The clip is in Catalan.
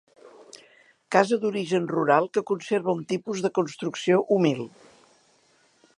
Casa d'origen rural que conserva un tipus de construcció humil.